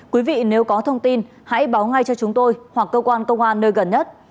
quý vị nếu có thông tin hãy báo ngay cho chúng tôi hoặc cơ quan công an nơi gần nhất